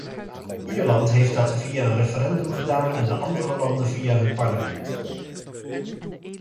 Ierland heeft dat via een referendum gedaan en de andere landen via hun parlement.